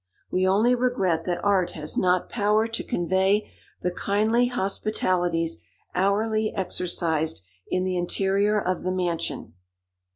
We only regret that art has not power to convey the kindly hospitalities hourly exercised in the interior of the mansion.